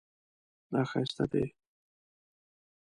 دا ښایسته دی